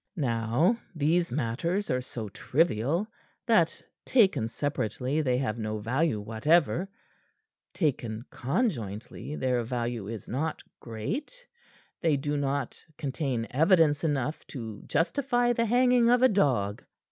"Now, these matters are so trivial that taken separately they have no value whatever; taken conjointly, their value is not great; they do not contain evidence enough to justify the hanging of a dog.